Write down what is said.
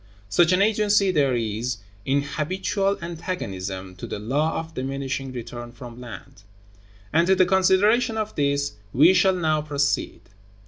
Such an agency there is, in habitual antagonism to the law of diminishing return from land; and to the consideration of this we shall now proceed.